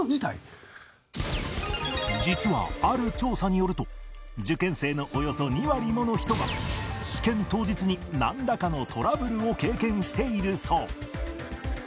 実はある調査によると受験生のおよそ２割もの人が試験当日になんらかのトラブルを経験しているそう